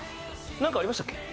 なんかありましたっけ？